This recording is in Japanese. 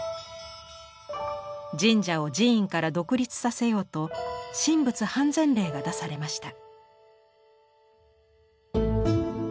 神社を寺院から独立させようと「神仏判然令」が出されました。